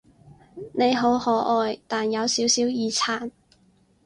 你好可愛，但有少少耳殘